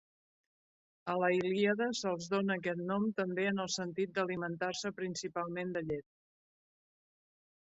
A la Ilíada se'ls dóna aquest nom també en el sentit d'alimentar-se principalment de llet.